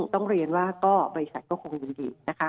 ต้องเรียนว่าบริษัทก็คงยืนดี